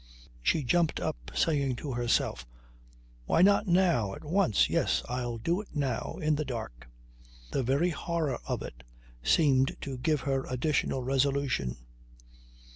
She jumped up saying to herself: "Why not now? At once! Yes. I'll do it now in the dark!" The very horror of it seemed to give her additional resolution.